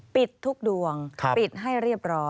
ปิดทุกดวงปิดให้เรียบร้อย